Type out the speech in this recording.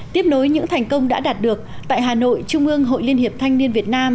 tiếp nối những thành công đã đạt được tại hà nội trung ương hội liên hiệp thanh niên việt nam